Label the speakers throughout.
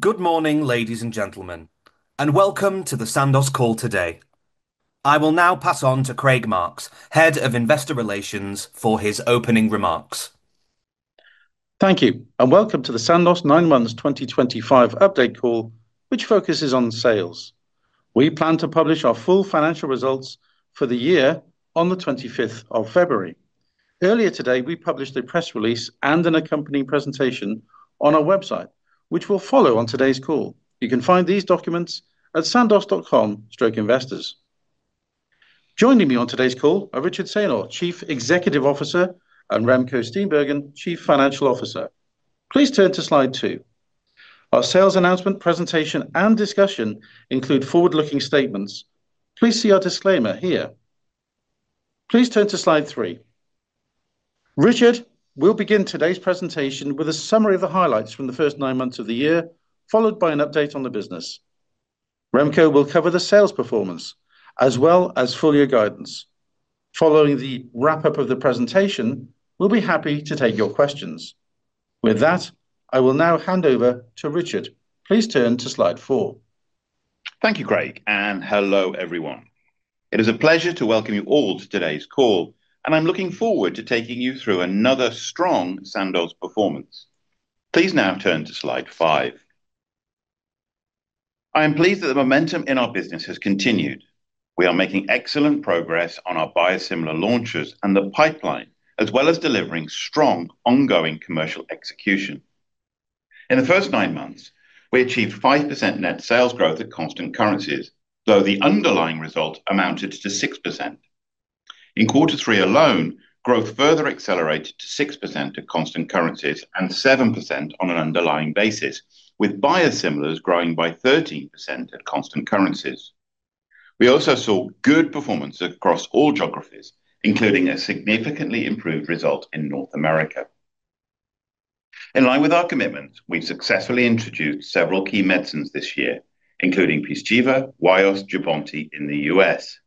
Speaker 1: Good morning ladies and gentlemen and welcome to the Sandoz call today. I will now pass on to Craig Marks, Head of Investor Relations, for his opening remarks.
Speaker 2: Thank you and welcome to the Sandoz nine months 2025 update call which focuses on sales. We plan to publish our full financial results for the year on the 25th of February. Earlier today we published a press release and an accompanying presentation on our website which we'll follow on today's call. You can find these documents at sandoz.com investors. Joining me on today's call are Richard Saynor, Chief Executive Officer, and Remco Steenbergen, Chief Financial Officer. Please turn to Slide two. Our sales announcement, presentation, and discussion include forward-looking statements. Please see our disclaimer here. Please turn to slide three. Richard will begin today's presentation with a summary of the highlights from the first nine months of the year followed by an update on the business. Remco will cover the sales performance as full year guidance. Following the wrap up of the presentation, we'll be happy to take your questions. With that, I will now hand over to Richard.
Speaker 3: Please turn to slide four. Thank you, Craig, and hello everyone. It is a pleasure to welcome you all to today's call and I'm looking forward to taking you through another strong Sandoz performance. Please now turn to slide five. I am pleased that the momentum in our business has continued. We are making excellent progress on our biosimilar launches and the pipeline as well as delivering strong ongoing commercial execution. In the first nine months, we achieved 5% net sales growth at constant currencies, though the underlying result amounted to 6% in quarter three alone. Growth further accelerated to 6% at constant currencies and 7% on an underlying basis, with biosimilars growing by 13% at constant currencies. We also saw good performance across all geographies, including a significantly improved result in North America. In line with our commitment, we successfully introduced several key medicines this year, including Pyzchiva, Wyost, and Jubbonti in the U.S.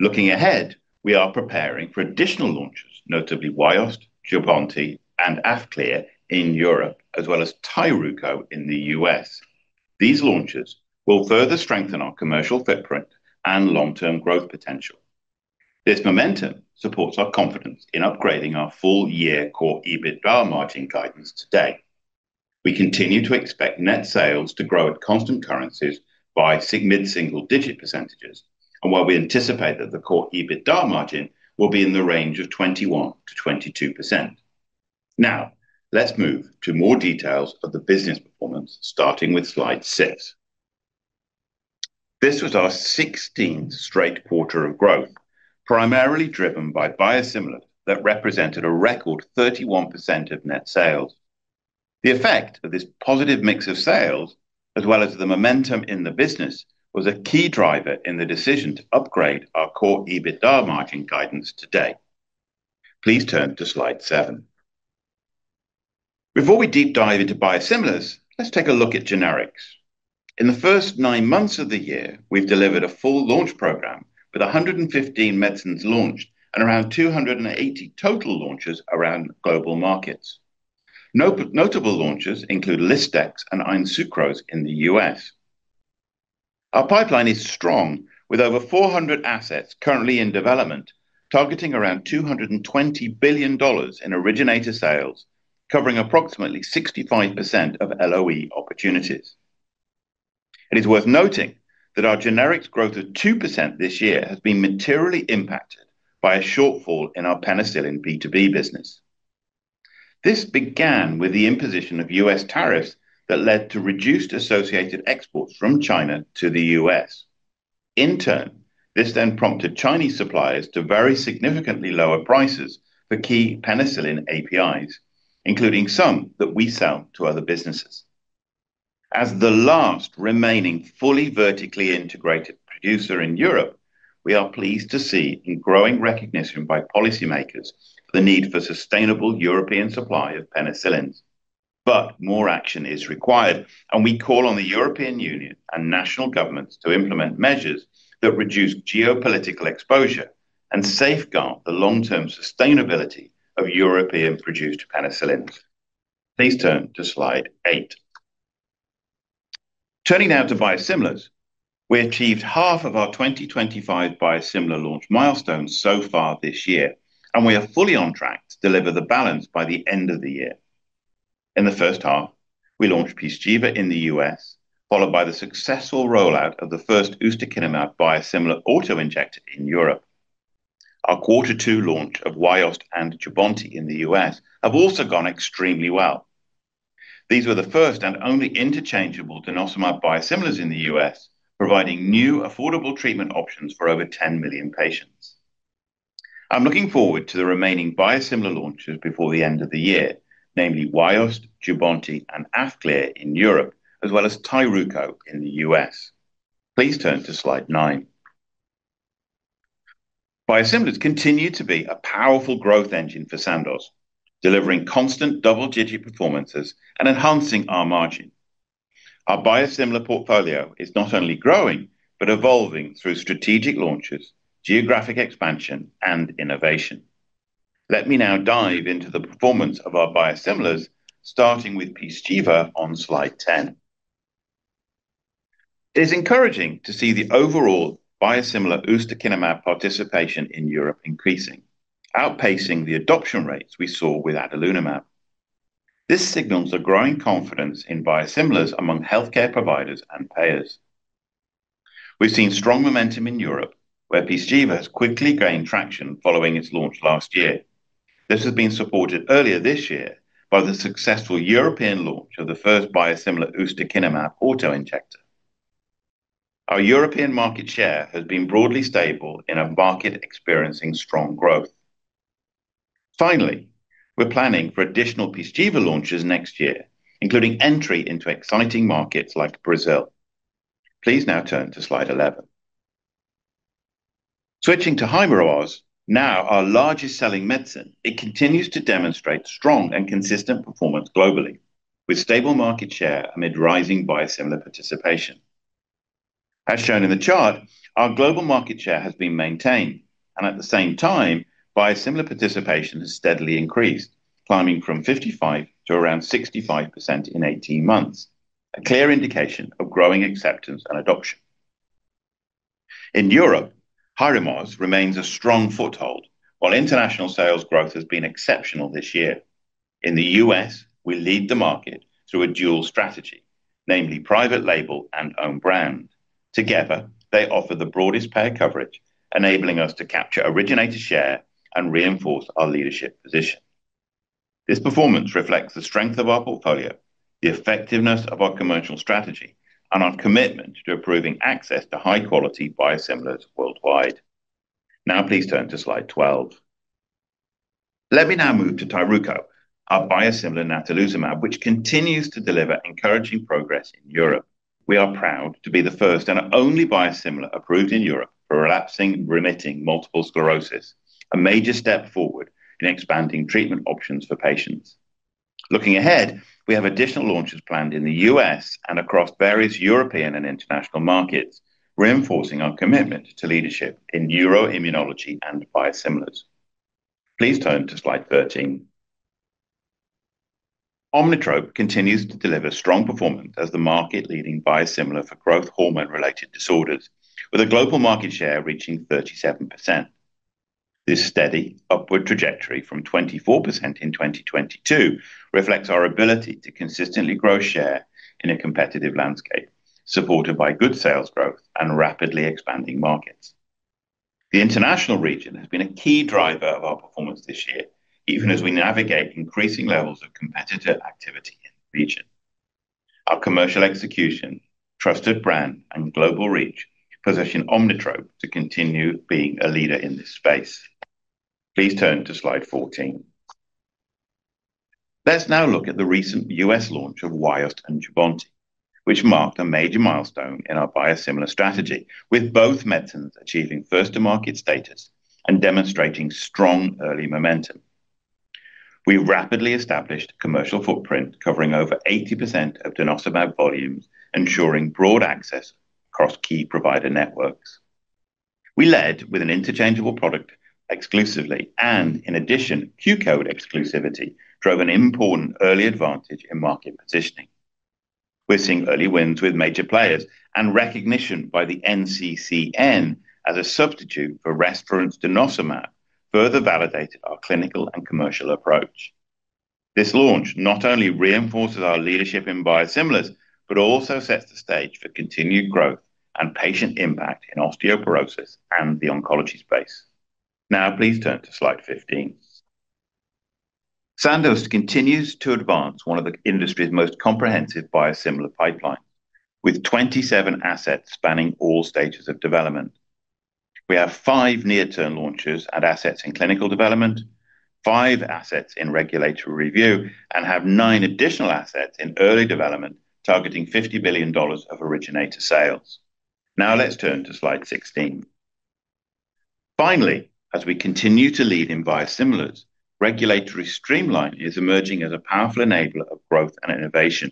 Speaker 3: Looking ahead, we are preparing for additional launches, notably Wyost, Jubbonti, and Afqlir in Europe as well as Tyruko in the U.S. These launches will further strengthen our commercial footprint and long-term growth potential. This momentum supports our confidence in upgrading our full-year core EBITDA margin guidance. Today, we continue to expect net sales to grow at constant currencies by mid-single-digit percentages, and while we anticipate that the core EBITDA margin will be in the range of 21%-22%, now let's move to more details of the business performance starting with slide six. This was our 16th straight quarter of growth, primarily driven by biosimilars that represented a record 31% of net sales. The effect of this positive mix of sales, as well as the momentum in the business, was a key driver in the decision to upgrade our core EBITDA margin guidance today. Please turn to slide seven. Before we deep dive into biosimilars, let's take a look at generics. In the first nine months of the year, we've delivered a full launch program with 115 medicines launched and around 280 total launches around global markets. Notable launches include ListX and Einsucros in the U.S. Our pipeline is strong with over 400 assets currently in development, targeting around $220 billion in originator sales, covering approximately 65% of LOE opportunities. It is worth noting that our generics growth of 2% this year has been materially impacted by a shortfall in our penicillin B2B business. This began with the imposition of U.S. tariffs that led to reduced associated exports from China to the U.S. In turn, this then prompted Chinese suppliers to very significantly lower prices for key penicillin APIs, including some that we sell to other businesses. As the last remaining fully vertically integrated producer in Europe, we are pleased to see growing recognition by policymakers of the need for sustainable European supply of penicillins. More action is required and we call on the European Union and national governments to implement measures that reduce geopolitical exposure and safeguard the long-term sustainability of European-produced penicillins. Please turn to slide eight. Turning now to biosimilars. We achieved half of our 2025 biosimilar launch milestones so far this year and we are fully on track to deliver the balance by the end of the year. In the first half, we launched Pyzchiva in the U.S., followed by the successful rollout of the first ustekinumab biosimilar auto injector in Europe. Our Q2 launch of Wyost and Jubbonti in the U.S. has also gone extremely well. These were the first and only interchangeable denosumab biosimilars in the U.S., providing new affordable treatment options for over 10 million patients. I'm looking forward to the remaining biosimilar launches before the end of the year, namely Wyost, Jubbonti, and Afqlir in Europe, as well as Tyruko in the U.S. Please turn to slide nine. Biosimilars continue to be a powerful growth engine for Sandoz, delivering constant double-digit performances and enhancing our margin. Our biosimilar portfolio is not only growing but evolving through strategic launches, geographic expansion, and innovation. Let me now dive into the performance of our biosimilars, starting with Pyzchiva on slide 10. It is encouraging to see the overall biosimilar ustekinumab participation in Europe increasing, outpacing the adoption rates we saw with adalimumab. This signals a growing confidence in biosimilars among healthcare providers and payers. We've seen strong momentum in Europe where Pyzchiva has quickly gained traction following its launch last year. This has been supported earlier this year by the successful European launch of the first biosimilar ustekinumab auto injector. Our European market share has been broadly stable in a market experiencing strong growth. Finally, we're planning for additional Pyzchiva launches next year, including entry into exciting markets like Brazil. Please now turn to slide 11. Switching to Hyrimoz, now our largest selling medicine. It continues to demonstrate strong and consistent performance globally with stable market share amid rising biosimilar participation. As shown in the chart, our global market share has been maintained, and at the same time biosimilar participation has steadily increased, climbing from 55% to around 65% in 18 months, a clear indication of growing acceptance and adoption in Europe. Hyrimoz remains a strong foothold while international sales growth has been exceptional this year. In the U.S. we lead the market through a dual strategy, namely private label and own brand. Together they offer the broadest payer coverage, enabling us to capture originator share and reinforce our leadership position. This performance reflects the strength of our portfolio, the effectiveness of our commercial strategy, and our commitment to improving access to high quality biosimilars worldwide. Now please turn to slide 12. Let me now move to Tyruko, our biosimilar natalizumab, which continues to deliver encouraging progress in Europe. We are proud to be the first and only biosimilar approved in Europe for relapsing remitting multiple sclerosis, a major step forward in expanding treatment options for patients. Looking ahead, we have additional launches planned in the U.S.and across various European and international markets, reinforcing our commitment to leadership in neuroimmunology and biosimilars. Please turn to slide 13. Omnitrope continues to deliver strong performance as the market leading biosimilar for growth hormone related disorders, with a global market share reaching 37%. This steady upward trajectory from 24% in 2022 reflects our ability to consistently grow share in a competitive landscape, supported by good sales growth and rapidly expanding markets. The international region has been a key driver of our performance this year. Even as we navigate increasing levels of competitor activity in the region, our commercial execution, trusted brand, and global reach position Omnitrope to continue being a leader in this space. Please turn to slide 14. Let's now look at the recent U.S. launch of Wyost and Jubbonti, which marked a major milestone in our biosimilar strategy. With both medicines achieving first to market status and demonstrating strong early momentum, we rapidly established commercial footprint covering over 80% of denosumab volumes, ensuring broad access across key provider networks. We led with an interchangeable product exclusively, and in addition, Q code exclusivity drove an important early advantage in market positioning. We're seeing early wins with major players and recognition by the NCCN as a substitute for reference brands. Denosumab further validated our clinical and commercial approach. This launch not only reinforces our leadership in biosimilars, but also sets the stage for continued growth and patient impact in osteoporosis and the oncology space. Now please turn to slide 15. Sandoz continues to advance one of the industry's most comprehensive biosimilar pipelines with 27 assets spanning all stages of development. We have five near-term launches and assets in clinical development, five assets in regulatory review, and have nine additional assets in early development targeting $50 billion of originator sales. Now let's turn to slide 16. Finally, as we continue to lead in biosimilars, regulatory streamlining is emerging as a powerful enabler of growth and innovation.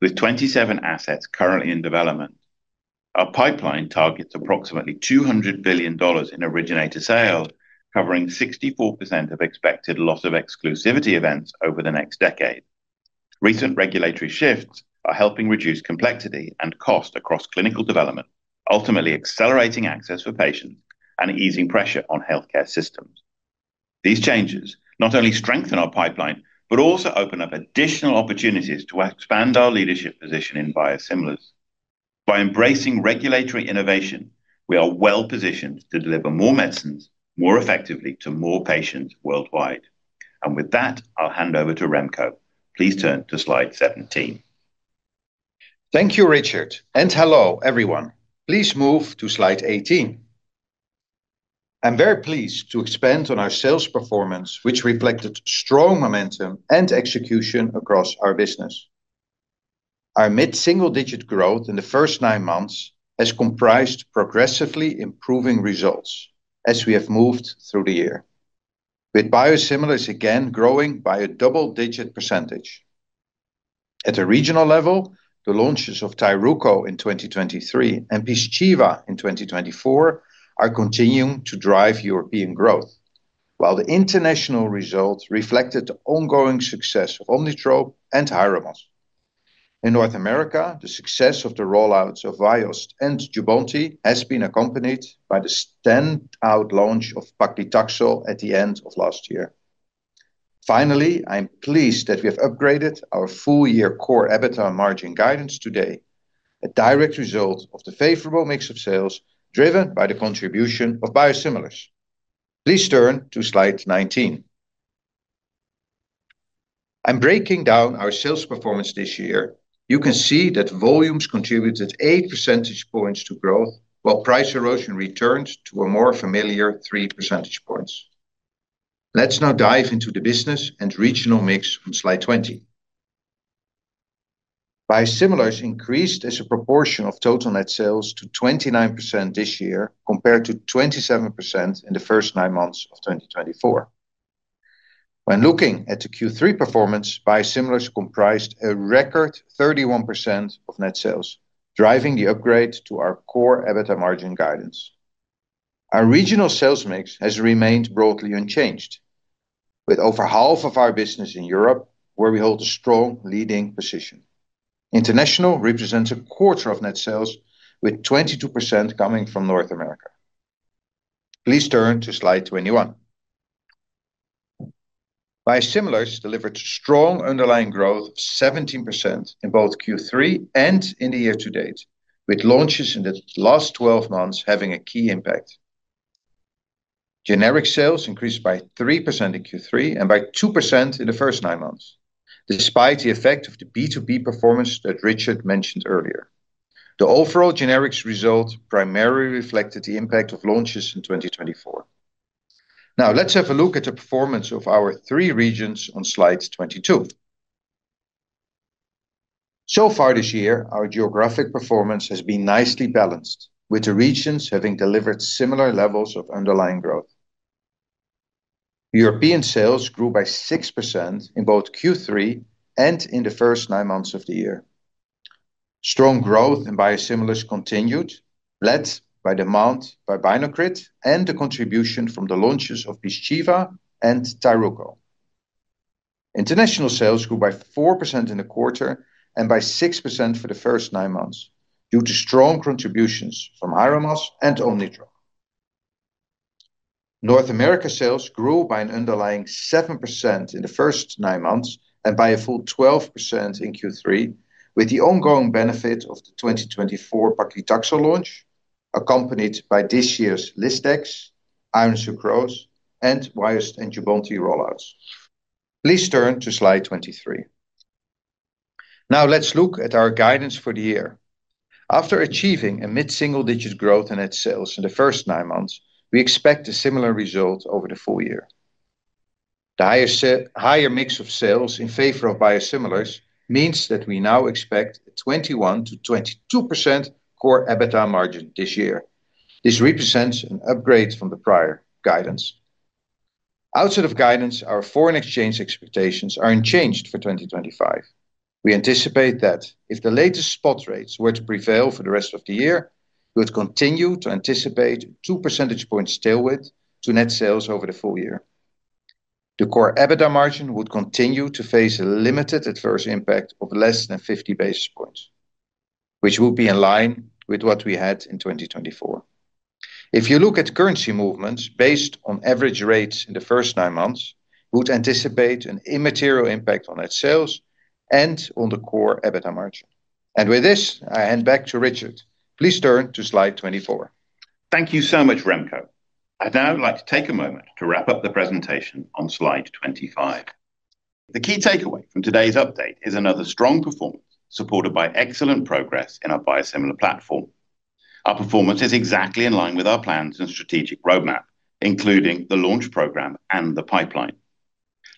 Speaker 3: With 27 assets currently in development, our pipeline targets approximately $200 billion in originator sales and covers 64% of expected loss of exclusivity events over the next decade. Recent regulatory shifts are helping reduce complexity and cost across clinical development, ultimately accelerating access for patients and easing pressure on healthcare systems. These changes not only strengthen our pipeline, but also open up additional opportunities to expand our leadership position in biosimilars. By embracing regulatory innovation, we are well positioned to deliver more medicines more effectively to more patients worldwide. With that, I'll hand over to Remco. Please turn to slide 17.
Speaker 4: Thank you Richard and hello everyone. Please move to slide 18. I'm very pleased to expand on our sales performance, which reflected strong momentum and execution across our business. Our mid single digit growth in the first nine months has comprised progressively improving results as we have moved through the year, with biosimilars again growing by a double digit pecentage. At a regional level, the launches of Tyruko in 2023 and Pyzchiva in 2024 are continuing to drive European growth, while the international result reflected the ongoing success of Omnitrope and Hyrimoz in North America. The success of the rollout of Wyost and Jubbonti has been accompanied by the standout launch of Paclitaxel at the end of last year. Finally, I'm pleased that we have upgraded our full year core EBITDA margin guidance today, a direct result of the favorable mix of sales driven by the contribution of biosimilars. Please turn to slide 19. Breaking down our sales performance this year, you can see that volumes contributed 8 percentage points to growth, while price erosion returned to a more familiar 3 percentage points. Let's now dive into the business and regional mix on slide 20. Biosimilars increased as a proportion of total net sales to 29% this year compared to 27% in the first nine months of 2024. When looking at the Q3 performance, biosimilars comprised a record 31% of net sales, driving the upgrade to our core EBITDA margin guidance. Our regional sales mix has remained broadly unchanged, with over half of our business in Europe, where we hold a strong leading position. International represents a quarter of net sales, with 22% coming from North America. Please turn to slide 21. Biosimilars delivered strong underlying growth, 17% in both Q3 and in the year to date, with launches in the last 12 months having a key impact. Generic sales increased by 3% in Q3 and by 2% in the first nine months, despite the effect of the B2B performance that Richard mentioned earlier. The overall generics result primarily reflected the impact of launches in 2024. Now let's have a look at the performance of our three regions on slide 22. So far this year, our geographic performance has been nicely balanced, with the regions having delivered similar levels of underlying growth. European sales grew by 6% in both Q3 and in the first nine months of the year. Strong growth in biosimilars continued, led by demand for Binocrit and the contribution from the launches of Pyzchiva and Tyruko. International sales grew by 4% in the quarter and by 6% for the first nine months due to strong contributions from Ironmas and Omnitrope. North America sales grew by an underlying 7% in the first nine months and by a full 12% in Q3 with the ongoing benefit of the 2024 Paclitaxel launch accompanied by this year's ListX, Iron sucrose and Wyost and Jubbonti rollouts, please turn to slide 23. Now let's look at our guidance for the year. After achieving a mid single digit growth in net sales in the first nine months, we expect a similar result over the full year. The higher mix of sales in favor of biosimilars means that we now expect a 21%-22% core EBITDA margin this year. This represents an upgrade from the prior guidance. Outside of guidance, our foreign exchange expectations are unchanged for 2025. We anticipate that if the latest spot rates were to prevail for the rest of the year, we would continue to anticipate 2 percentage points tailwind to net sales over the full year. The core EBITDA margin would continue to face a limited adverse impact of less than 50 basis points which will be in line with what we had in 2024. If you look at currency movements based on average rates in the first nine months, we would anticipate an immaterial impact on net sales and on the core EBITDA margin. With this I hand back to Richard. Please turn to slide 24.
Speaker 3: Thank you so much, Remco. I'd now like to take a moment to wrap up the presentation on slide 25. The key takeaway from today's update is another strong performance supported by excellent progress in our biosimilar platform. Our performance is exactly in line with our plans and strategic roadmap, including the launch program and the pipeline.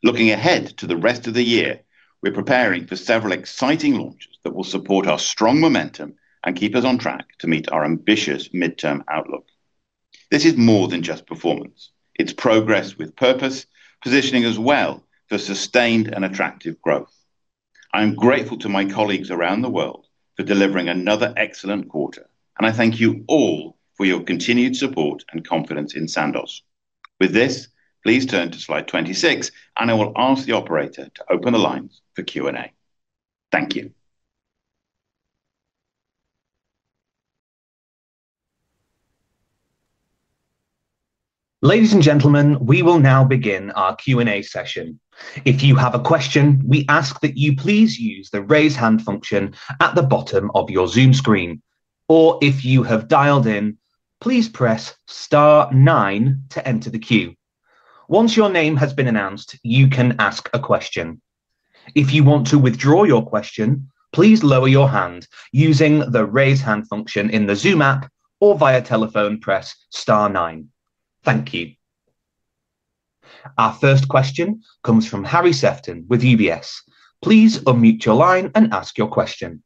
Speaker 3: Looking ahead to the rest of the year, we're preparing for several exciting launches that will support our strong momentum and keep us on track to meet our ambitious midterm outlook. This is more than just performance. It's progress with purpose, positioning us well for sustained and attractive growth. I am grateful to my colleagues around the world for delivering another excellent quarter and I thank you all for your continued support and confidence in Sandoz. With this, please turn to slide 26 and I will ask the operator to open the lines for Q&A. Thank you,
Speaker 1: Ladies and gentlemen. We will now begin our Q&A session. If you have a question, we ask that you please use the raise hand function at the bottom of your Zoom screen. If you have dialed in, please press star 9 to enter the queue. Once your name has been announced, you can ask a question. If you want to withdraw your question, please lower your hand using the raise hand function in the Zoom app or via telephone, press star nine. Thank you. Our first question comes from Harry Sephton with UBS. Please unmute your line and ask your question.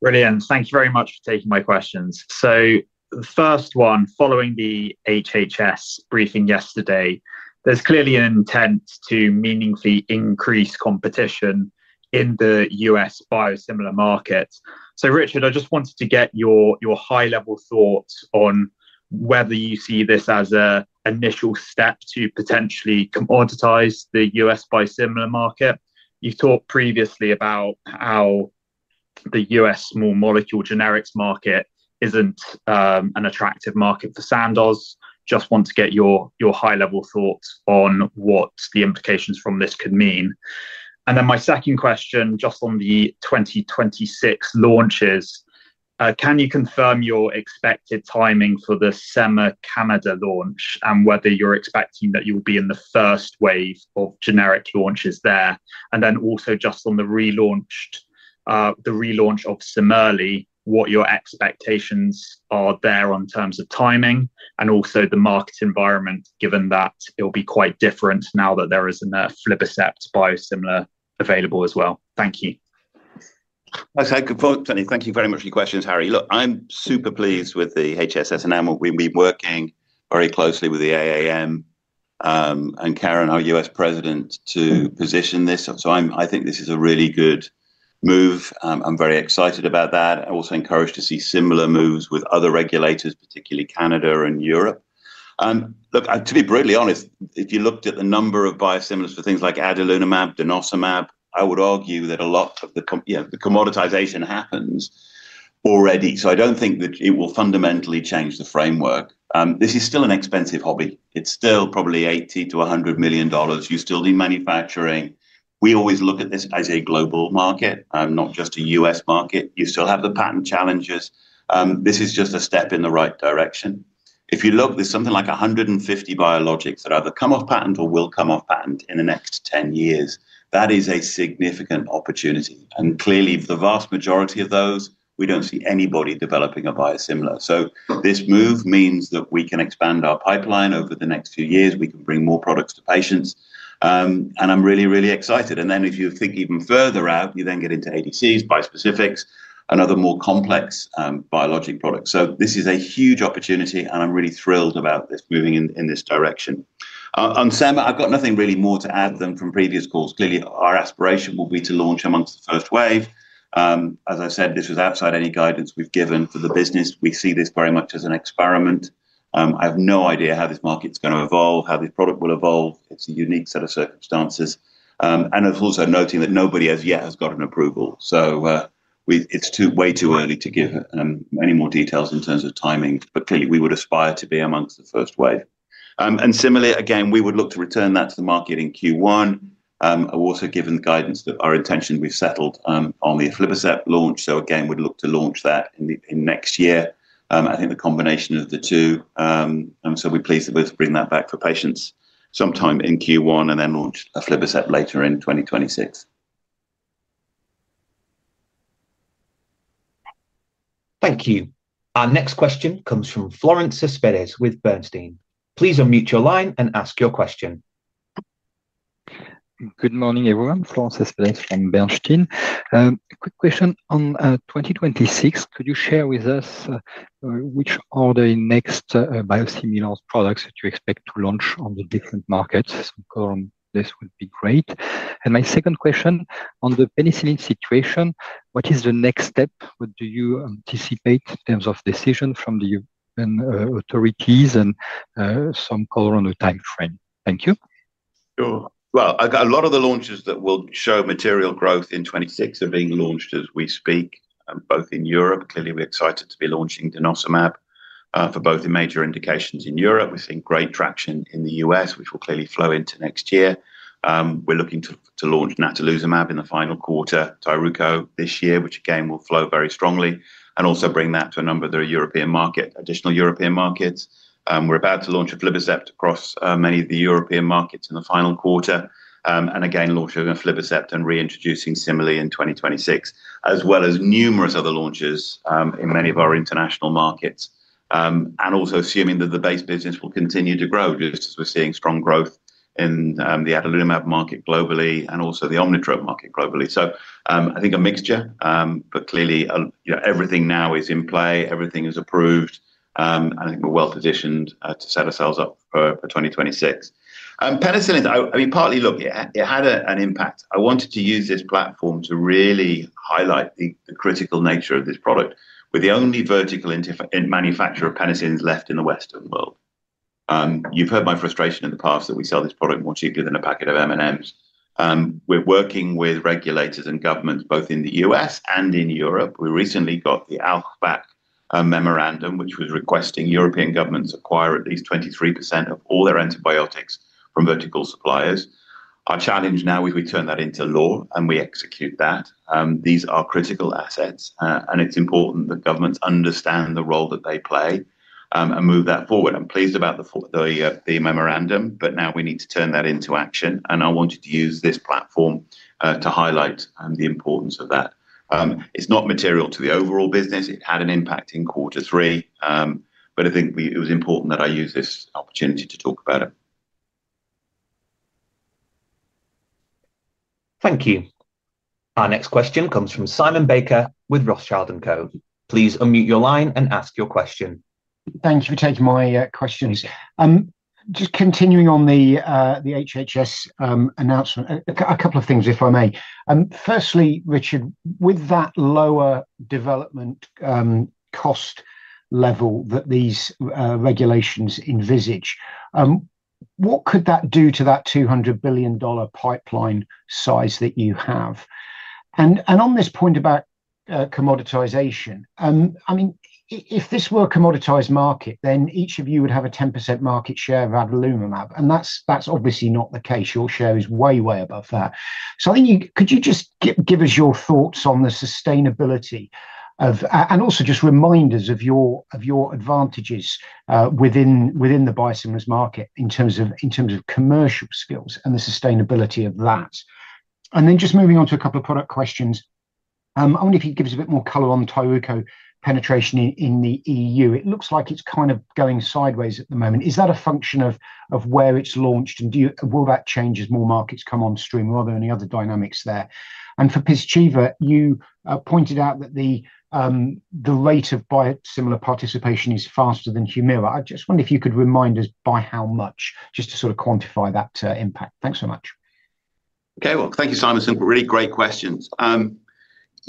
Speaker 5: Brilliant. Thank you very much for taking my questions. The first one, following the HHS briefing yesterday, there's clearly an intent to meaningfully increase competition in the U.S. biosimilar market. Richard, I just wanted to get your high level thoughts on whether you see this as an initial step to potentially commoditize the U.S. biosimilar market. You talked previously about how the U.S. small molecule generics market isn't an attractive market for Sandoz. Just want to get your high level thoughts on what the implications from this could mean. My second question, just on the 2026 launches, can you confirm your expected timing for the SEMA Canada launch and whether you're expecting that you'll be in the first wave of January generic launches there? Also, just on the relaunch of Simile, what your expectations are there in terms of timing and also the market environment given that it will be quite different now that there is an aflibercept biosimilar available as well. Thank you.
Speaker 3: Thank you very much for your questions, Harry. Look, I'm super pleased with the HHS enamel. We've been working very closely with the AAM and Karen, our U.S. President, to position this. I think this is a really good move. I'm very excited about that. Also encouraged to see similar moves with other regulators, particularly Canada and Europe. To be brutally honest, if you looked at the number of biosimilars for things like adalimumab, denosumab, I would argue that a lot of the commoditization happens already. I don't think that it will fundamentally change the framework. This is still an expensive hobby. It's still probably $80 million-$100 million. You still need manufacturing. We always look at this as a global market, not just a U.S. market. You still have the patent challenges. This is just a step in the right direction. If you look, there's something like 150 biologics that either come off patent or will come off patent in the next 10 years. That is a significant opportunity and clearly the vast majority of those, we don't see anybody developing a biosimilar. This move means that we can expand our pipeline over the next few years. We can bring more products to patients and I'm really, really excited. If you think even further out, you then get into ADCs, bispecifics, and other more complex biologic products. This is a huge opportunity and I'm really thrilled about this moving in this direction. On sema, I've got nothing really more to add than from previous calls. Clearly our aspiration will be to launch amongst the first wave. As I said, this was outside any guidance we've given for the business. We see this very much as an experiment. I have no idea how this market's going to evolve, how this product will evolve. It's a unique set of circumstances and it's also noting that nobody as yet has got an approval, so it's way too early to give any more details in terms of timing. Clearly we would aspire to be amongst the first wave. Similarly, again, we would look to return that to the market in Q1. Also, given the guidance that our intention, we've settled on the aflibercept launch. Again, we'd look to launch that next year. I think the combination of the two, and so we're pleased that we're to bring that back for patients sometime in Q1 and then launch aflibercept later in 2026.
Speaker 1: Thank you. Our next question comes from Florent Cespedes with Bernstein. Please unmute your line and ask your question.
Speaker 6: Good morning everyone. Florent Cespedes from Bernstein. Quick question on 2026, could you share with us which are the next biosimilar products that you expect to launch on the different markets? This would be great. My second question on the penicillin situation, what is the next step? What do you anticipate in terms of decision from the European authorities and some color on the time frame? Thank you.
Speaker 3: A lot of the launches that will show material growth in 2026 are being launched as we speak, both in Europe. Clearly, we're excited to be launching Jubbonti for both the major indications in Europe. We're seeing great traction in the U.S., which will clearly flow into next year. We're looking to launch Tyruko in the final quarter, Tyruko this year, which again will flow very strongly and also bring that to a number of the European markets, additional European markets. We're about to launch aflibercept across many of the European markets in the final quarter and again launching aflibercept and reintroducing Simile in 2026, as well as numerous other launches in many of our international markets and also assuming that the base business will continue to grow, just as we're seeing strong growth in the adalimumab market globally and also the Omnitrope market globally. I think a mixture, but clearly everything now is in play, everything is approved, and I think we're well positioned to set ourselves up for 2026. Penicillins, I mean, partly. Look, it had an impact. I wanted to use this platform to really highlight the critical nature of this product. We're the only vertical manufacturer of penicillins left in the Western world. You've heard my frustration in the past that we sell this product more cheaply than a packet of M&Ms. We're working with regulators and governments both in the U.S. and in Europe. We recently got the Alpbach Memorandum, which was requesting European governments acquire at least 23% of all their antibiotics from vertical suppliers. Our challenge now is we turn that into law and we execute that. These are critical assets, and it's important that governments understand the role that they play and move that forward. I'm pleased about the memorandum, but now we need to turn that into action, and I wanted to use this platform to highlight the importance of that. It's not material to the overall business. It had an impact in quarter three, but I think it was important that I use this opportunity to talk about it.
Speaker 1: Thank you. Our next question comes from Simon Baker with Rothschild & Co. Please unmute your line and ask your question.
Speaker 7: Thank you for taking my questions. Just continuing on the HHS announcement, a couple of things, if I may. Firstly, Richard, with that lower development cost level that these regulations envisage, what could that do to that $200 billion pipeline size that you have? On this point about commoditization, if this were a commoditized market, then each of you would have a 10% market share of adalimumab, and that's obviously not the case. Your share is way, way above that. I think, could you just give us your thoughts on the sustainability and also just, really, your advantages within the biosimilars market in terms of commercial skills and the sustainability of that? Moving on to a couple of product questions, I wonder if you could give us a bit more color on Tyruko penetration in the EU. It looks like it's kind of going sideways at the moment. Is that a function of where it's launched? Will that change as more markets come on stream, or are there any other dynamics there? For Pyzchiva, you pointed out that the rate of biosimilar participation is faster than Humira. I just wonder if you could remind us by how much, just to sort of quantify that impact. Thanks so much.
Speaker 3: Okay, thank you, Simon. Really great questions.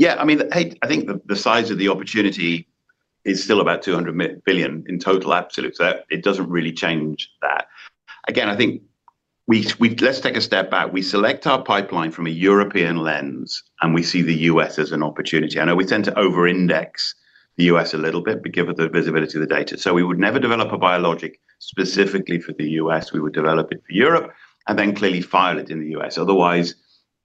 Speaker 3: I think the size of the opportunity is still about $200 billion in total, absolute. It doesn't really change that. Again, let's take a step back. We select our pipeline from a European lens and we see the U.S. as an opportunity. I know we tend to over-index the U.S. a little bit, but give it the visibility of the data. We would never develop a biologic specifically for the U.S.; we would develop it for Europe and then clearly file it in the U.S, otherwise,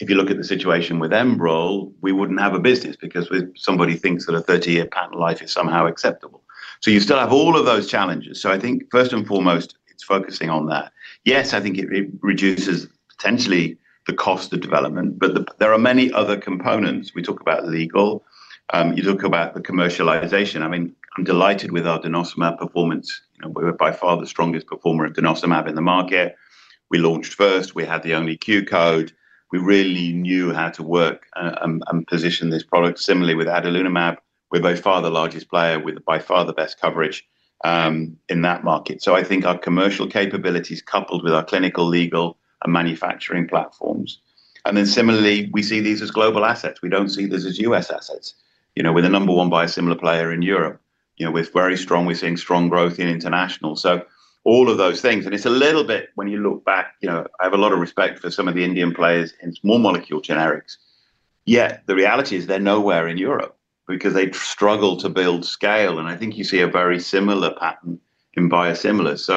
Speaker 3: if you look at the situation with Enbrel, we wouldn't have a business because somebody thinks that a 30-year patent life is somehow acceptable. You still have all of those challenges. First and foremost, it's focusing on that. Yes, I think it reduces potentially the cost of development, but there are many other components. We talk about legal, you talk about the commercialization. I'm delighted with our denosumab performance. We were by far the strongest performer of denosumab in the market. We launched first, we had the only Q code. We really knew how to work and position this product. Similarly with adalimumab, we're by far the largest player with by far the best coverage in that market. I think our commercial capabilities coupled with our clinical, legal, and manufacturing platforms, and then similarly we see these as global assets. We don't see this as U.S. assets. We're the number one biosimilar player in Europe. We're very strong, we're seeing strong growth in international. All of those things. It's a little bit, when you look back, I have a lot of respect for some of the Indian players in small molecule generics, yet the reality is they're nowhere in Europe because they struggle to build scale. I think you see a very similar pattern in biosimilars.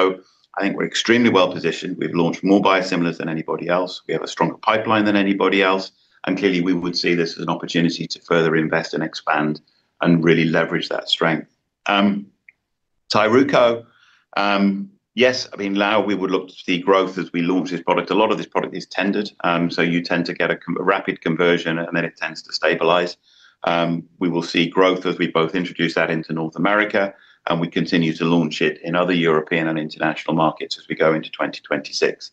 Speaker 3: I think we're extremely well positioned. We've launched more biosimilars than anybody else. We have a stronger pipeline than anybody else. Clearly we would see this as an opportunity to further invest and expand and really leverage that strength. Tyruko, yes. I mean, now, we would look to see growth as we launch this product. A lot of this product is tendered, so you tend to get a rapid conversion and then it tends to stabilize. We will see growth as we both introduce that into North America and we continue to launch it in other European and international markets as we go into 2026.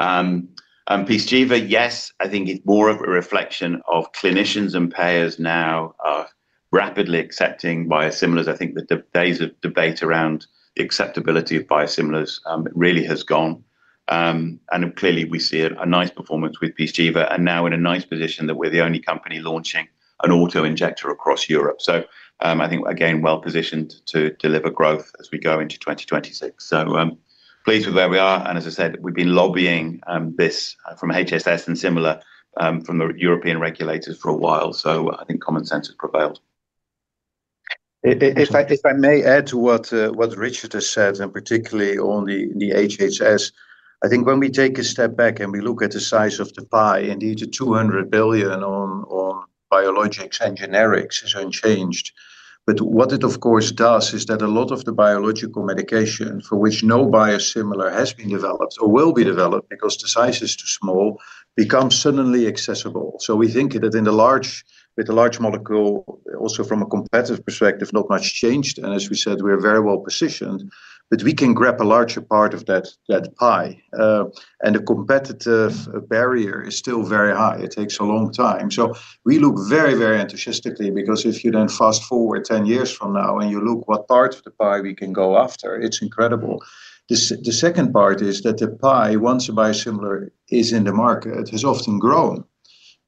Speaker 3: Pyzchiva, yes, I think it's more of a reflection of clinicians and payers now are rapidly accepting biosimilars. I think the days of debate around the acceptability of biosimilars really has gone and clearly we see a nice performance with Pyzchiva and now in a nice position that we're the only company launching an auto injector across Europe. I think again, well positioned to deliver growth as we go into 2026. Pleased with where we are. As I said, we've been lobbying this from HHS and similar from the European regulators for a while. I think common sense has prevailed.
Speaker 4: If I may add to what Richard has said, and particularly on the HHS. I think when we take a step back and we look at the size of the pie and the $200 billion on biologics and generics is unchanged. What it of course does is that a lot of the biological medication for which no biosimilar has been developed or will be developed because the size is too small, becomes suddenly accessible. We think that with the large molecule also from a competitive perspective, not much changed. As we said, we are very well positioned, but we can grab a larger part of that pie and the competitive barrier is still very high. It takes a long time. We look very, very enthusiastically because if you fast forward 10 years from now and you look what part of the pie we can go after, it's incredible. The second part is that the pie, once a biosimilar is in the market, has often grown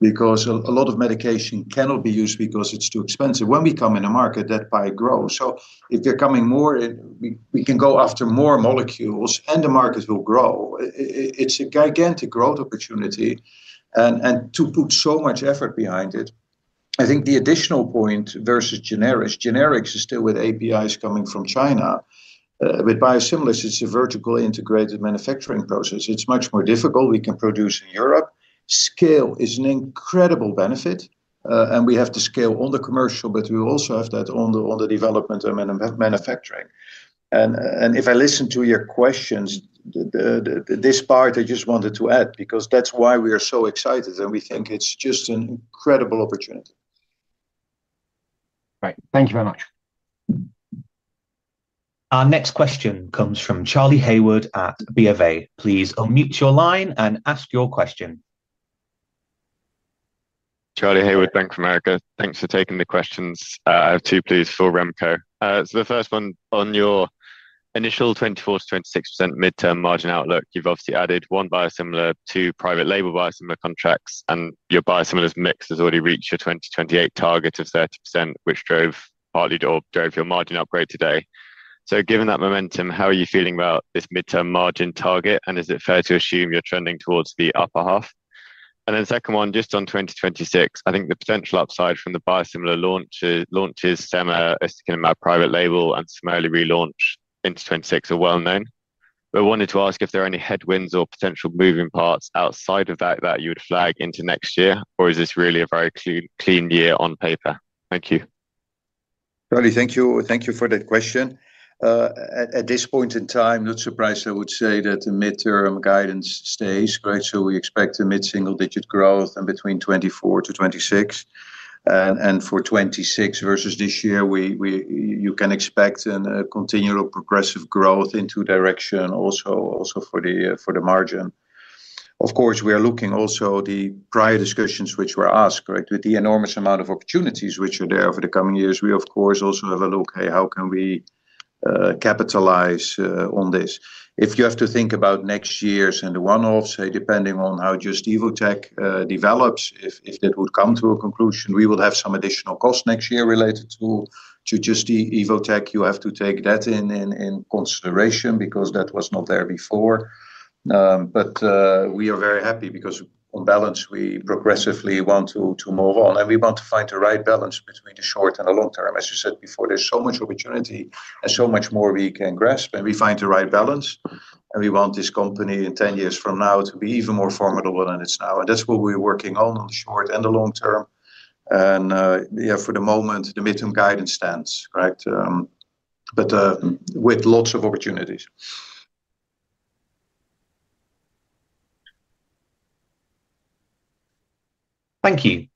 Speaker 4: because a lot of medication cannot be used because it's too expensive. When we come in the market, that pie grows. If they're coming more, we can go after more molecules and the market will grow. It's a gigantic growth opportunity. To put so much effort behind it, I think the additional point versus generics is still with APIs coming from China. With biosimilars, it's a vertical integrated manufacturing process. It's much more difficult. We can produce in Europe. Scale is an incredible benefit. We have to scale on the commercial, but we also have that on the development and manufacturing. If I listen to your questions, this part I just wanted to add because that's why we are so excited and we think it's just an incredible, incredible opportunity.
Speaker 7: Right, thank you very much.
Speaker 1: Our next question comes from Charlie Haywood at BofA. Please unmute your line and ask your question.
Speaker 8: Charlie Haywood, Bank of America. Thanks for taking the questions. I have two, please, for Remco. The first one, on your initial 24%-26% midterm margin outlook, you've obviously added one biosimilar, two private label biosimilar contracts, and your biosimilars mix has already reached your 2028 target of 30%, which drove partly or drove your margin upgrade today. Given that momentum, how are you feeling about this midterm margin target, and is it fair to assume you're trending towards the upper half? The second one, just on 2026, I think the potential upside from the biosimilar launches, launches Sema private label, and similarly relaunch into 2026 are well known. We wanted to ask if there are any headwinds or potential moving parts outside of that that you would flag into next year, or is this really a very clean year on paper? Thank you.
Speaker 4: Charlie. Thank you for that question. At this point in time, not surprised. I would say that the midterm guidance stays great. We expect a mid single digit growth and between 2024-2026, and for 2026 versus this year, you can expect a continual progressive growth in two directions, also for the margin. Of course, we are looking also at the prior discussions which were asked, right. With the enormous amount of opportunities which are there over the coming years, we of course also have a look. Hey, how can we capitalize on this? If you have to think about next year's and the one off, say depending on how Just-Evotec develops, if that would come to a conclusion, we will have some additional costs next year related to just the Just-Evotec partnership. You have to take that in consideration because that was not there before. We are very happy because on balance we progressively want to move on and we want to find the right balance between the short and the long term. As you said before, there's so much opportunity and so much more we can grasp. We find the right balance and we want this company in 10 years from now to be even more formidable than it's now. That's what we're working on in the short and the long term. For the moment, the midterm guidance stands correct but with lots of opportunities.
Speaker 1: Thank you.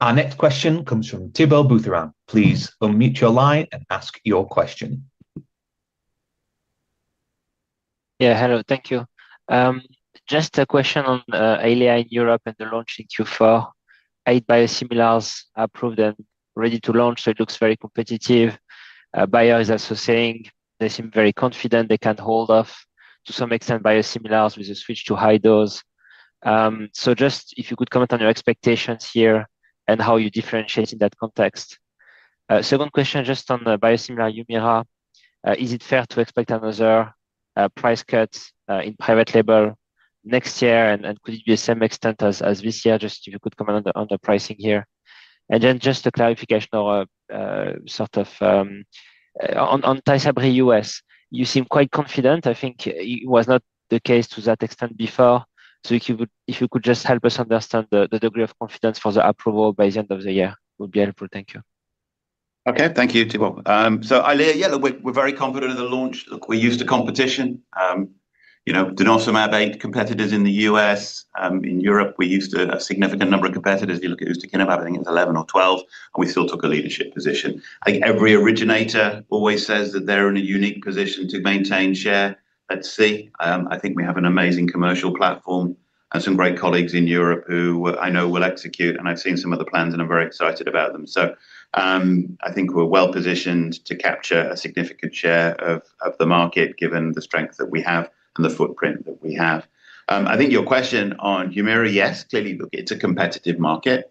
Speaker 1: Our next question comes from Thibault Boutherin. Please unmute your line and ask your question.
Speaker 9: Yeah, hello. Thank you. Just a question on Afqlir in Europe and the launch in Q4. Eight biosimilars approved and ready to launch. It looks very competitive. Bayer is also saying they seem very confident they can hold off to some extent biosimilar with a switch to high dose. If you could comment on your expectations here and how you differentiate in that context. Second question just on the biosimilar Humira. Is it fair to expect another price cut in private label next year and could it be the same extent as this year? If you could comment on the pricing here and then just a clarification or sort of Tyruko U.S. You seem quite confident. I think it was not the case to that extent before. If you could just help us understand the degree of confidence for the approval by the end of the year would be helpful. Thank you.
Speaker 3: Okay, thank you Thibault. We're very confident in the launch. We're used to competition, you know, denosumab, eight competitors in the U.S. In Europe we used a significant number of competitors. You look at ustekinumab, I think it was 11 or 12 and we still took a lead position. I think every originator always says that they're in a unique position to maintain share at sea. I think we have an amazing commercial platform and some great colleagues in Europe who I know will execute and I've seen some of the plans and I'm very excited about them. I think we're well positioned to capture a significant share of the market given the strength that we have and the footprint that we have. I think your question on Humira. Yes, clearly it's a competitive market.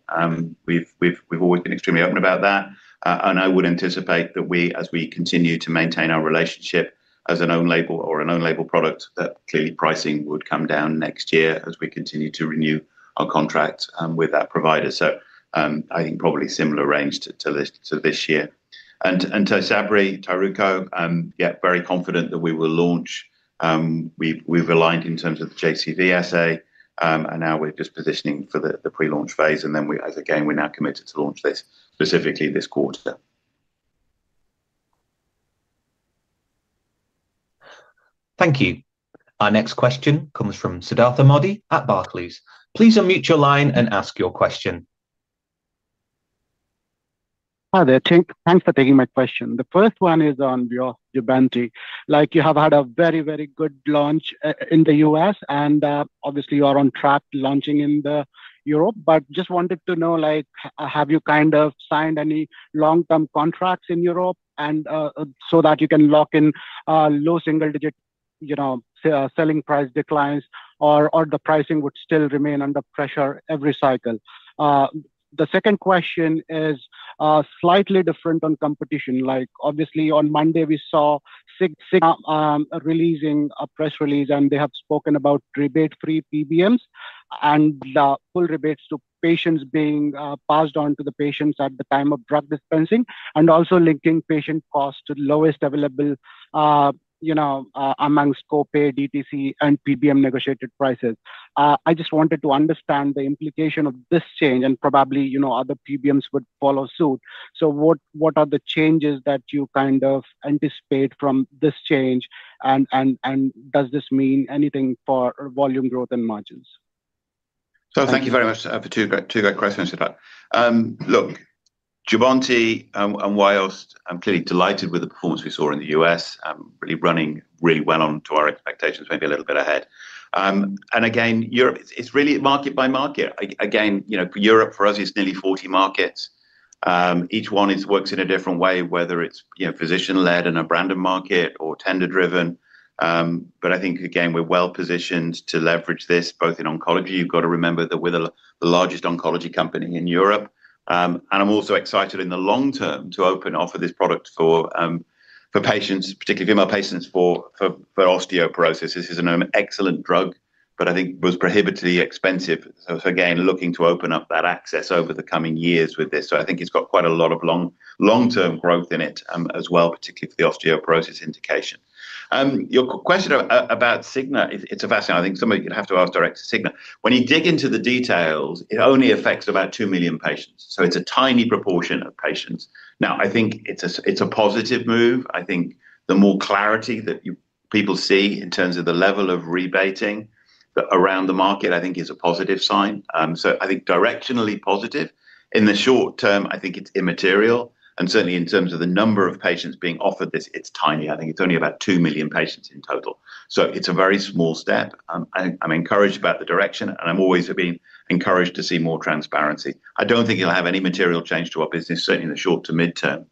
Speaker 3: We've always been extremely open about that and I would anticipate that as we continue to maintain our relationship as an own label or an own label product that clearly pricing would come down next year as we continue to renew our contract with that provider. I think probably similar range to this year. And to Tyruko, yeah, very confident that we will launch. We've aligned in terms of the JCV assay and now we're just positioning for the prelaunch phase and as again we're now committed to launch this specifically this quarter.
Speaker 1: Thank you. Our next question comes from Sidhartha Modi at Barclays. Please unmute your line and ask your question.
Speaker 10: Hi there. Thanks for taking my question. The first one is on your Jubbonti, like you have had a very, very good launch in the U.S. and obviously you are on track launching in Europe. Just wanted to know, have you kind of signed any long-term contracts in Europe so that you can lock in low single-digit, you know, selling price declines, or the pricing would still remain under pressure every cycle? The second question is slightly different on competition. Obviously, on Monday we saw Cigna releasing a press release, and they have spoken about direct rebate-free PBMs and full rebates to patients being passed on to the patients at the time of drug dispensing, and also linking patient cost to lowest available amongst copay, DTC, and PBM negotiated prices. I just wanted to understand the implication of this change, and probably other PBMs would follow suit. What are the changes that you kind of anticipate from this change, and does this mean anything for volume growth and margins?
Speaker 3: Thank you very much for two great questions. Look, Jubbonti, and whilst I'm clearly delighted with the performance we saw in the U.S., really running really well on to our expectations, maybe a little bit ahead. Europe, it's really market by market. Europe for us, it's nearly 40 markets. Each one works in a different way, whether it's physician-led and a branded market or tender-driven. I think we're well positioned to leverage this both in oncology. You've got to remember that we're the largest oncology company in Europe, and I'm also excited in the long term to open offer this product for patients, particularly female patients for osteoporosis. This is an excellent drug, but I think was prohibitively expensive. Looking to open up that access over the coming years with this. I think it's got quite a lot of long-term growth in it as well, particularly for the osteoporosis indications. Your question about Cigna, it's fascinating. I think somebody you'd have to ask direct to Cigna. When you dig into the details, it only affects about 2 million patients, so it's a tiny proportion of patients. I think it's a positive move. The more clarity that people see in terms of the level of rebating around the market, I think is a positive sign. Directionally positive in the short term, I think it's immaterial, and certainly in terms of the number of patients being offered this, it's tiny. I think it's only about 2 million patients in total. It's a very small step. I'm encouraged about the direction and I'm always being encouraged to see more transparency. I don't think you'll have any material change to our business certainly in the short to mid term.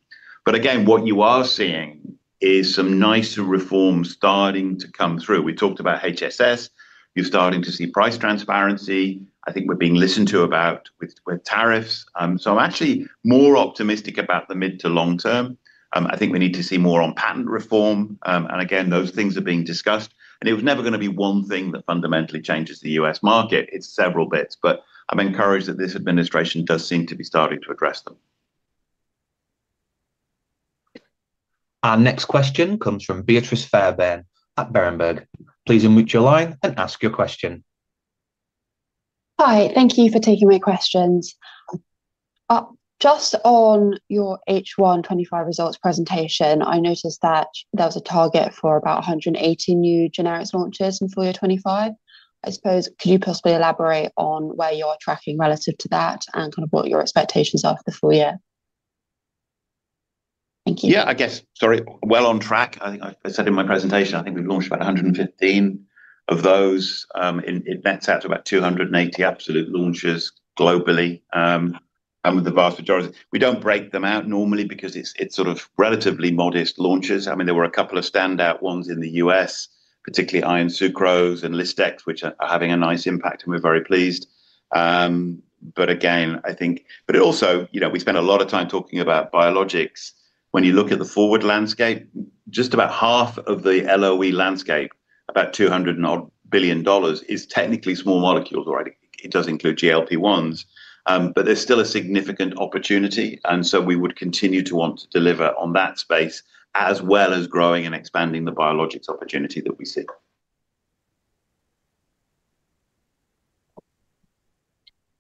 Speaker 3: Again, what you are seeing is some nicer reforms starting to come through. We talked about HHS, you're starting to see price transparency. I think we're being listened to with tariffs. I'm actually more optimistic about the mid to long term. I think we need to see more on patent reform and again those things are being discussed and it was never going to be one thing that fundamentally changes the U.S. market. It's several bits. I'm encouraged that this administration does seem to be starting to address them.
Speaker 1: Our next question comes from Beatrice Fairbairn at Berenberg. Please unmute your line and ask your question.
Speaker 11: Hi, thank you for taking my questions. Just on your H1 2025 results presentation, I noticed that there was a target for about 180 new generics launches in FY2025. I suppose, could you possibly elaborate on where you are tracking relative to that and kind of what your expectations are for the full year? Thank you.
Speaker 3: Yeah, I guess. On track, I think I said in my presentation, I think we've launched about 115 of those. It nets out to about 280 absolute launches globally, and with the vast majority, we don't break them out normally because it's sort of relatively modest launches. I mean, there were a couple of standout ones in the U.S., particularly iron sucrose and ListX, which are having a nice impact and we're very pleased. Again, I think it also, you know, we spent a lot of time talking about biologics. When you look at the forward landscape, just about half of the LOE landscape, about $200 billion, is technically small molecules already. It does include GLP-1s. There's still a significant opportunity and so we would continue to want to deliver on that space as well as growing and expanding the biologics opportunity that we see.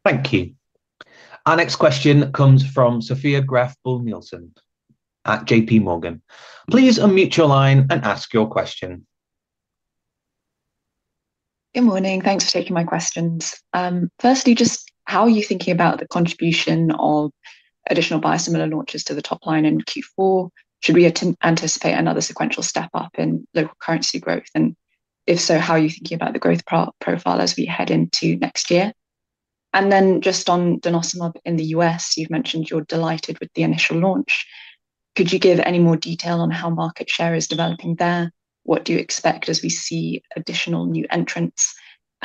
Speaker 1: Thank you. Our next question comes from Sophia Greff Bull Nielsen at JPMorgan. Please unmute your line and ask your question.
Speaker 12: Good morning. Thanks for taking my questions. Firstly, just how are you thinking about the contribution of additional biosimilar launches to the top line in Q4? Should we anticipate another sequential step up in local currency growth? If so, how are you thinking about the growth profile as we head into next year? And then just on denosumab in the U.S. You've mentioned you're delighted with the initial launch. Could you give any more detail on how market share is developing there? What do you expect as we see additional new entrants?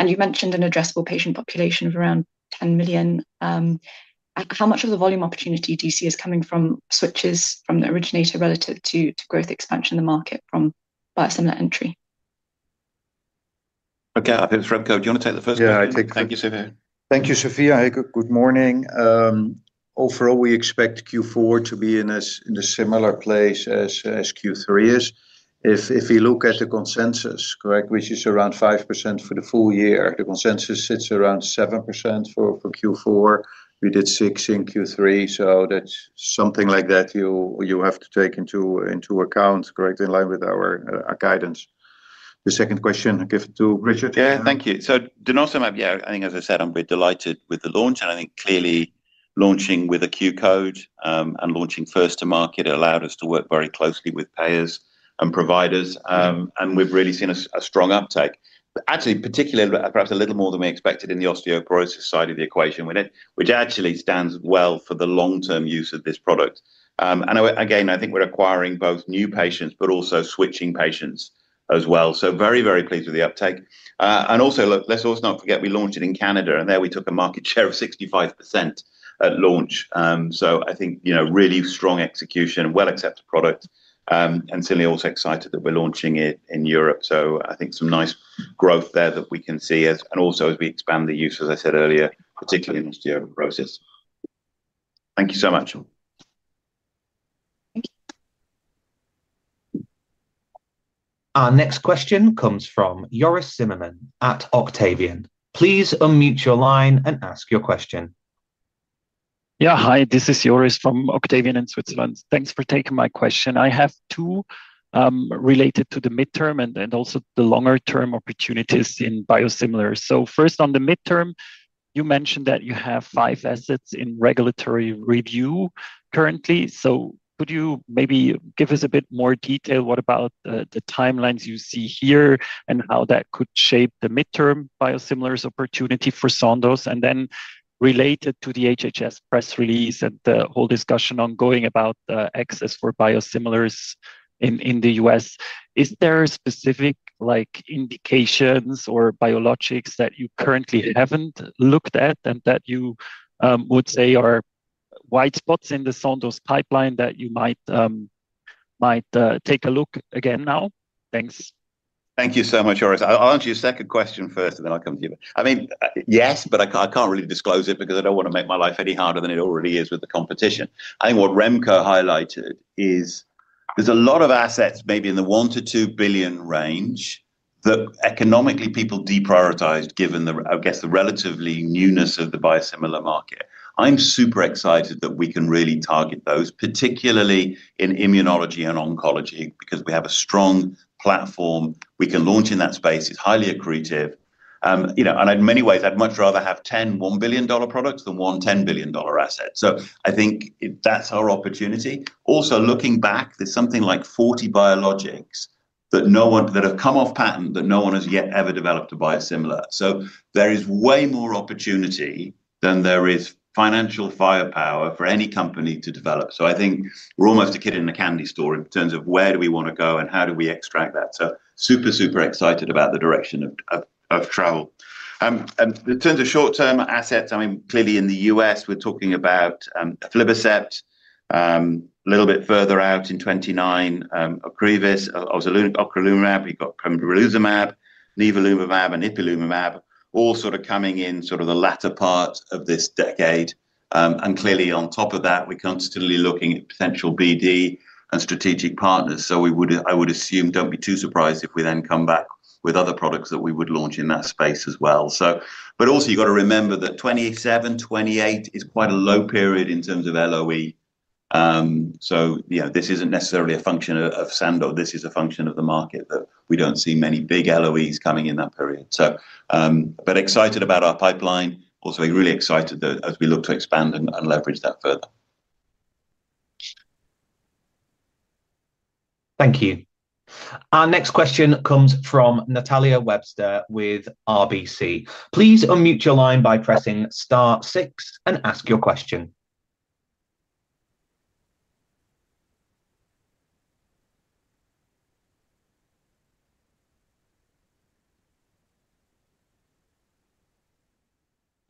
Speaker 12: You mentioned an addressable patient population of around 10 million. How much of the volume opportunity do you see is coming from switches from the originator relative to growth expansion in the market from biosimilar entry?
Speaker 3: Okay, I think it's for Remco. Do you want to take the first question?
Speaker 4: Yeah, I'll take that.
Speaker 3: Thank you, Sophia.
Speaker 4: Thank you, Sophia. Good morning. Overall, we expect Q4 to be in a similar place as Q3 if we look at the consensus, which is around 5% for the full year. The consensus sits around 7% for Q4; we did 6% in Q3. So that is something like that you have to take into account, correct, in line with our guidance. The second question, give to Richard.
Speaker 3: Yeah, thank you. So denosumab. I think, as I said, I'm very delighted with the launch and I think clearly launching with a Q code and launching first to market allowed us to work very closely with payers and providers and we've really seen a strong uptake actually, particularly perhaps a little more than we expected in the osteoporosis side of the equation, which actually stands well for the long term use of this product. I think we're acquiring both new patients but also switching patients as well. Very, very pleased with the uptake. Also, let's not forget we launched it in Canada and there we took a market share of 65% at launch. I think, you know, really strong execution, well accepted product and certainly also excited that we're launching it in Europe. I think some nice growth there that we can see as we expand the use, as I said earlier, particularly in osteoporosis. Thank you so much.
Speaker 1: Thank you. Our next question comes from Joris Zimmermann at Octavian. Please unmute your line and ask your question.
Speaker 13: Yeah, hi, this is Joris from Octavian in Switzerland. Thanks for taking my question. I have two related to the midterm and also the longer term opportunities in biosimilar. First, on the midterm you mentioned that you have five assets in regulatory review currently. Could you maybe give us a bit more detail about the timelines you see here and how that could shape the midterm biosimilars opportunity for Sandoz? Then related to the HHS press release and the whole discussion ongoing about access for biosimilars in the U.S., is there specific indications or biologics that you currently haven't looked at and that you would say are white spots in the Sandoz pipeline that you might take a look again now? Thanks.
Speaker 3: Thank you so much, Joris. I'll answer your second question first and then I'll come to you. I mean, yes, but I can't really disclose it because I don't want to make my life any harder than it already is with the competition. I think what Remco highlighted is there's a lot of assets maybe in the $1 billion-2 billion range that economically people deprioritized. Given the, I guess the relatively newness of the biosimilar market, I'm super excited that we can really target those, particularly in immunology and oncology because we have a strong platform we can launch in that space. It's highly accretive and in many ways I'd much rather have 10 $1 billion products than one $10 billion asset. I think that's our opportunity. Also, looking back, there's something like 40 biologics that have come off patent that no one has yet ever developed to biosimilar. There is way more opportunity than there is financial firepower for any company to develop. I think we're almost a kid in the candy store in terms of where do we want to go and how do we extract that. Super, super excited about the direction of travel in terms of short-term assets. I mean, clearly in the U.S. we're talking about Aflibercept a little bit further out in 2029, ocrelizumab, ocrolimumab, we've got pembrolizumab, nivolumab, and ipilimumab all sort of coming in the latter part of this decade. Clearly, on top of that, we're constantly looking at potential BD and strategic partners. I would assume, don't be too surprised if we then come back with other products that we would launch in that space as well. Also, you've got to remember that 2027, 2028 is quite a low period in terms of LOE. This isn't necessarily a function of Sandoz; this is a function of the market that we don't see many big LOEs coming in that period. Excited about our pipeline. Also, really excited as we look to expand and leverage that further.
Speaker 1: Thank you. Our next question comes from Natalia Webster with RBC. Please unmute your line by pressing Star6 and ask your question.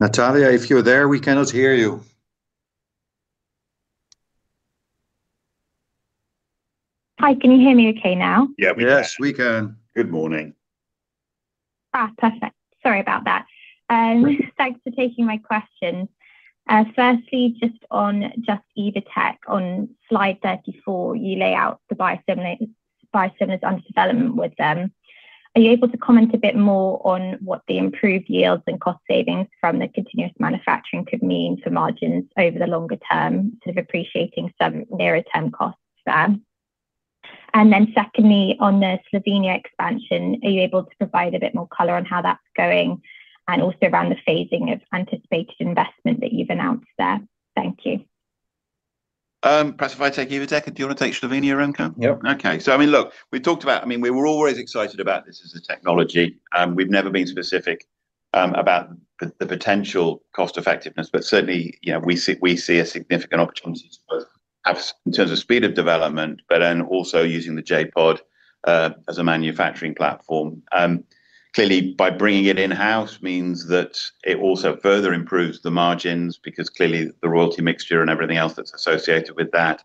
Speaker 4: Natalia, if you're there, we cannot hear you.
Speaker 14: Hi, can you hear me okay now?
Speaker 4: Yeah.
Speaker 3: Yes, we can. Good morning.
Speaker 14: Perfect. Sorry about that. Thanks for taking my question. Firstly, just on the Just-Evotec slide 34, you lay out the biosimilars under development with them. Are you able to comment a bit more on what the improved yields and cost savings from the continuous manufacturing could mean for margins over the longer term? Appreciating some nearer term costs there. Secondly, on the Slovenia expansion, are you able to provide a bit more color on how that is going and also around the phasing of anticipated investment that you've announced there. Thank you.
Speaker 3: Perhaps if I take you to Slovenia. Remco.
Speaker 4: Yeah.
Speaker 3: I mean, look, we talked about, we were always excited about this as a technology. We've never been specific about the potential cost effectiveness. Certainly, we see a significant opportunity in terms of speed of development using the J.POD as a manufacturing platform, clearly by bringing it in house, means that it also further improves the margins because the royalty mixture and everything else that's associated with that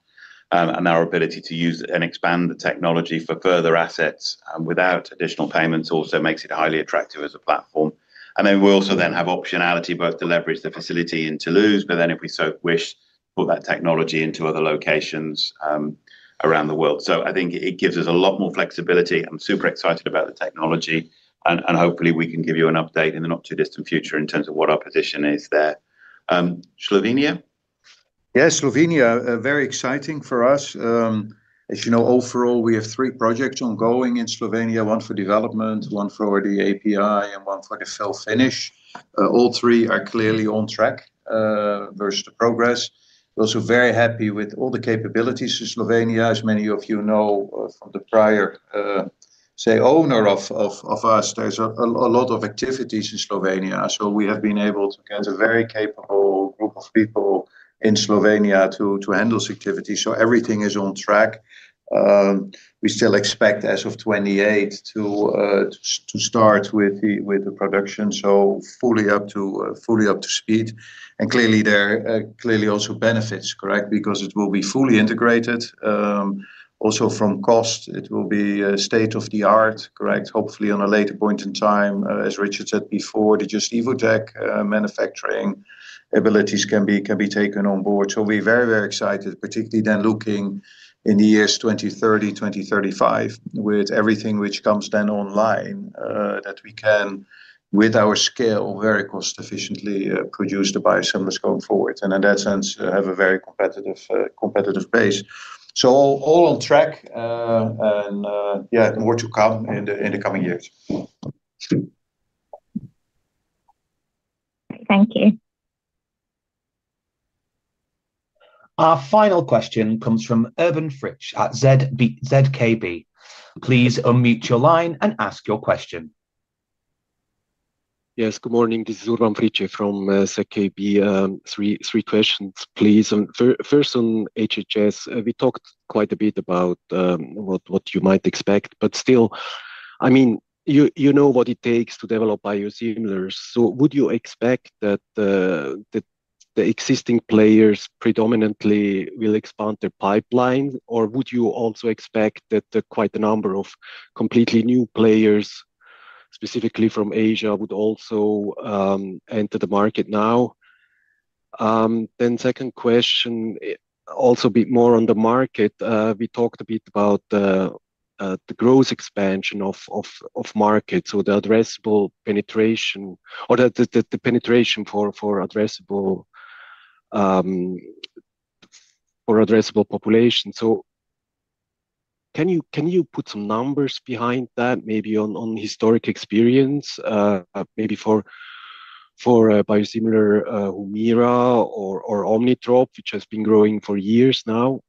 Speaker 3: and our ability to use and expand the technology for further assets without additional payments also makes it highly attractive as a platform. We also then have optionality both to leverage the facility in Toulouse, but if we so wish, put that technology into other locations around the world. I think it gives us a lot more flexibility. I'm super excited about the technology and hopefully we can give you an update in the not too distant future in terms of what our position is there. Slovenia.
Speaker 4: Yes, Slovenia. Very exciting for us. As you know, overall we have three projects ongoing in Slovenia: one for development, one for the API, and one for the fill finish. All three are clearly on track versus the progress. Also, very happy with all the capabilities in Slovenia. As many of you know from the prior, say, owner of us, there's a lot of activities in Slovenia. We have been able to get a very capable group of people in Slovenia to handle this activity. Everything is on track. We still expect as of 2028 to start with the production, fully up to speed. There are clearly also benefits, correct, because it will be fully integrated. Also, from cost, it will be state of the art correct hopefully at a later point in time, as Richard said before, the Just-Evotec manufacturing abilities can be taken on board. We're very, very excited, particularly then looking in the years 2030, 2035, with everything which comes then online that we can with our scale very cost efficiently produce the biosimilars going forward and in that sense have a very competitive pace. All on track and yeah, more to come in the coming years.
Speaker 14: Thank you.
Speaker 1: Our final question comes from Urban Fritsche at ZKB.. Please unmute your line and ask your question.
Speaker 15: Yes, good morning, this is Urban Fritsche from ZKB. Three questions, please. First on HHS, we talked quite a bit about what you might expect, but still, I mean, you know what it takes to develop biosimilars. Would you expect that the existing players predominantly will expand their pipeline or would you also expect that quite a number of completely new players, specifically from Asia, would also enter the market? Second question, also a bit more on the market. We talked a bit about the growth, expansion of market, so the addressable penetration or the penetration for addressable population. Can you put some numbers behind that, maybe on historic experience, maybe for biosimilar Humira or Omnitrope, which has been growing for years now?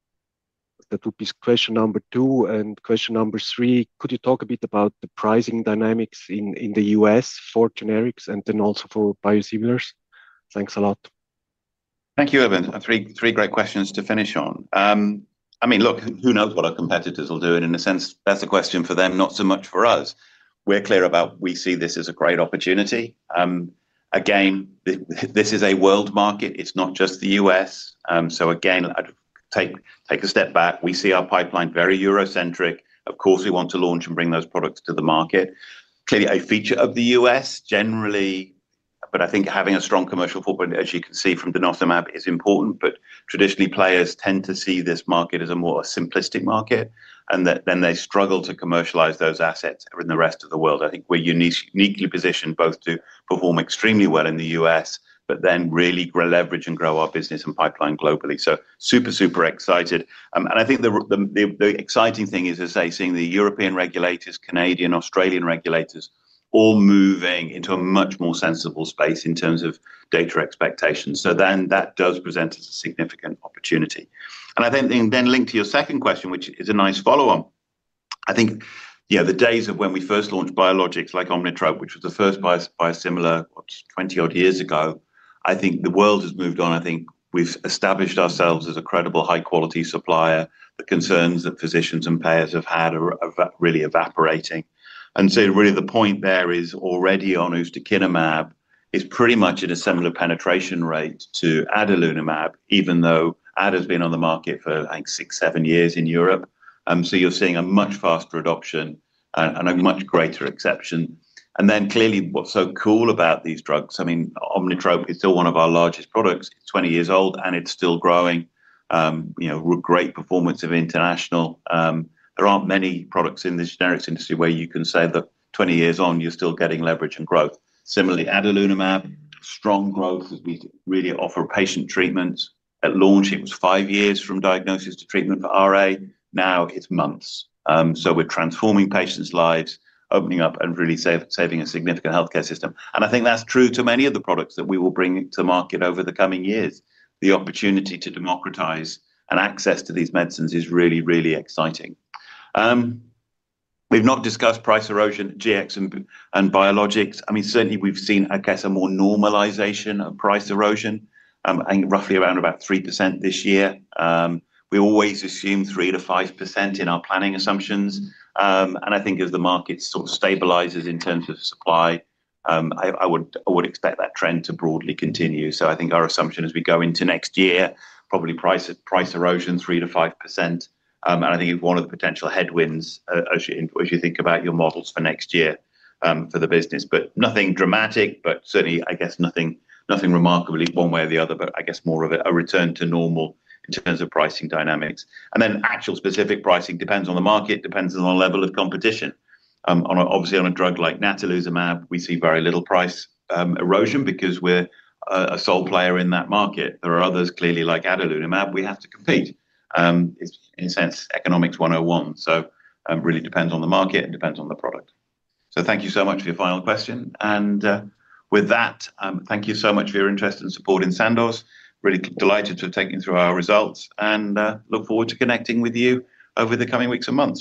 Speaker 15: That would be question number two. Question number three, could you talk a bit about the pricing dynamics in the U.S. for generics and then also for biosimilars? Thanks a lot.
Speaker 3: Thank you, Urban, three great questions to finish on. I mean look, who knows what our competitors will do and in a sense that's a question for them, not so much for us. We're clear about we see this as a great opportunity. Again this is a world market, it's not just the U.S. Take a step back. We see our pipeline very Eurocentric. Of course we want to launch and bring those products to the market. Clearly a feature of the U.S. generally. I think having a strong commercial footprint, as you can see from denosumab, is important. Traditionally, players tend to see this market as a more simplistic market and then they struggle to commercialize those assets in the rest of the world. I think we're uniquely positioned both to perform extremely well in the U.S. and really leverage and grow our business and pipeline globally. Super, super excited and I think the exciting thing is seeing the European regulators, Canadian, Australian regulators, all moving into a much more sensible space in terms of data expectations. That does present us a significant opportunity and I think then linked to your second question which is a nice follow up. I think the days of when we first launched biologics like Omnitrope, which was the first biosimilar, 20 odd years ago, I think the world has moved on. We've established ourselves as a credible high quality supplier. The concerns that physicians and payers have had are really evaporating and so really the point there is already on ustekinumab is pretty much in a similar penetration rate to adalimumab. Even though Ada has been on the market for six, seven years in Europe, you're seeing a much faster adoption and a much greater exception. Clearly what's so cool about these drugs is Omnitrope is still one of our largest products, 20 years old and it's still growing. Great performance of international. There aren't many products in this generics industry where you can say that 20 years on you're still getting leverage and growth. Similarly, adalimumab strong growth as we really offer patient treatments. At launch it was five years from diagnosis to treatment for RA, now it's months. We're transforming patients' lives, opening up and really saving a significant healthcare system. I think that's true to many of the products that we will bring to market over the coming years. The opportunity to democratize and access to these medicines is really, really exciting. We've not discussed price erosion, GX and biologics. Certainly we've seen, I guess, a more normalization of price erosion, roughly around about 3% this year. We always assume 3% to 5% in our planning assumptions. I think as the market sort of stabilizes in terms of supply, I would expect that trend to broadly continue. I think our assumption as we go into next year is probably price erosion 3% to 5%. I think one of the potential headwinds as you think about your models for next year for the business, but nothing dramatic, certainly nothing remarkably one way or the other. I guess more of a return to normal in terms of pricing dynamics, and then actual specific pricing depends on the market, depends on the level of competition. Obviously on a drug like natalizumab we see very little price erosion because we're a sole player in that market. There are others, clearly, like adalimumab, we have to compete in a sense, economics 101, so really depends on the market and depends on the product. Thank you so much for your final question. With that, thank you so much for your interest and support in Sandoz. Really delighted to take you through our results and look forward to connecting with you over the coming weeks and months.